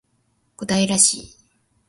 小平市